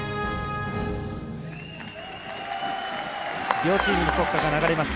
両チームの国歌が流れました。